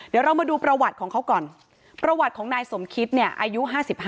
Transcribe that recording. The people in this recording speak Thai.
เดี๋ยวเรามาดูประวัติของเขาก่อนประวัติของนายสมคิดเนี่ยอายุ๕๕